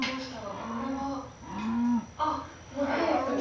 あっもうダイレクトに。